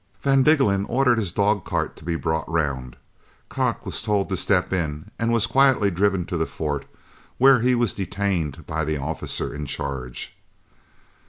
Van Diggelen ordered his dog cart to be brought round, Kock was told to step in, and was quietly driven to the fort, where he was detained by the officer in charge.